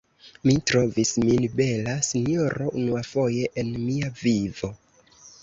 Mi trovis min bela, sinjoro, unuafoje en mia vivo.